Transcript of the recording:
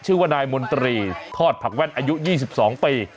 ชื่อว่านายมนตรีทอดผักแว่นอายุ๒๒ปี